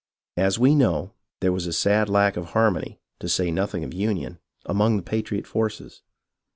As we know, there was a sad lack of harmony, to say nothing of union, among the patriot forces.